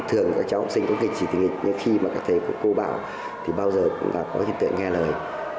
thường các cháu sinh có kịch trì tình hình nhưng khi mà các thầy của cô bảo thì bao giờ cũng là có hiện tượng nghe lời